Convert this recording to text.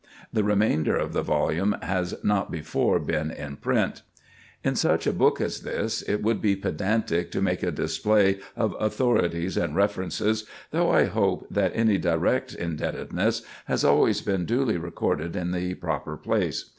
The remainder of the volume has not before been in print. In such a book as this, it would be pedantic to make a display of authorities and references, though I hope that any direct indebtedness has always been duly recorded in the proper place.